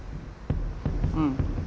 うん。